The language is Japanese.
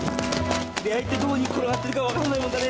「出会い」ってどこに転がってるか分からないもんだね。